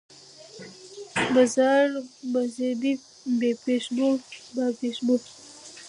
ب زر با، ب زېر بي، ب پېښ بو، با بي بو